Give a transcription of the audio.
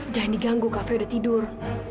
jangan diganggu kafe udah tidur